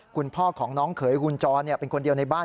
คุณพ่อของน้องเขยคุณจรเป็นคนเดียวในบ้าน